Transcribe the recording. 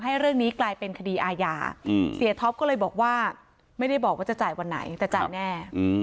ให้เรื่องนี้กลายเป็นคดีอาญาเสียท็อปก็เลยบอกว่าไม่ได้บอกว่าจะจ่ายวันไหนแต่จ่ายแน่